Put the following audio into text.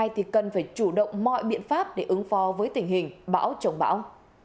thì cần phải chủ động mọi biện pháp để ứng phó với tình hình bão trồng bão